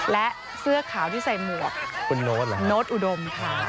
และเสื้อขาวที่ใส่หมวกโน๊ตอุดมค่ะ